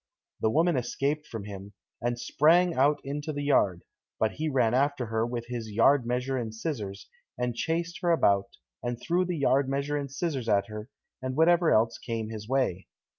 The woman escaped from him, and sprang out into the yard, but he ran after her with his yard measure and scissors, and chased her about, and threw the yard measure and scissors at her, and whatever else came his way.